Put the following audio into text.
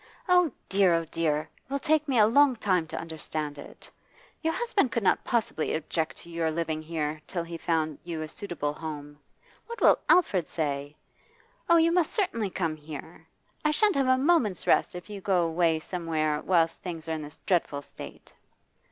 Oh, dear; oh, dear! It will take me a long time to understand it. Your husband could not possibly object to your living here till he found you a suitable home. What will Alfred say? Oh, you must certainly come here. I shan't have a moment's' rest if you go away somewhere whilst things are in this dreadful state.